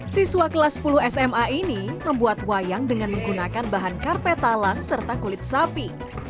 siswa kelas sepuluh sma ini membuat wayang dengan menggunakan bahan karpet talang serta kulit sapi